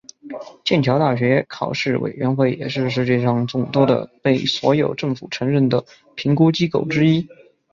剑桥大学考试委员会也是世界上众多的被所有政府承认的评估机构之一。